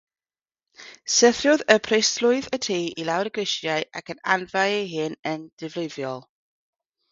Syrthiodd preswylydd y tŷ i lawr y grisiau ac anafu ei hun yn ddifrifol.